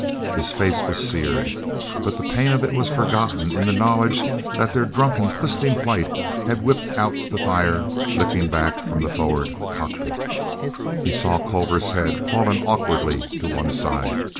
His face was seared, but the pain of it was forgotten in the knowledge that their drunken, twisting flight had whipped out the fire licking back from the forward cockpit. He saw Culver's head, fallen awkwardly to one side.